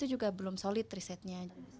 juga belum solid risetnya